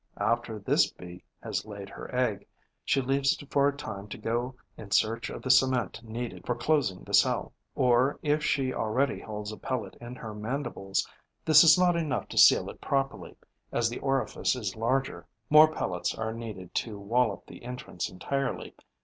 After this Bee has laid her egg, she leaves it for a time to go in search of the cement needed for closing the cell; or, if she already holds a pellet in her mandibles, this is not enough to seal it properly, as the orifice is larger. More pellets are needed to wall up the entrance entirely.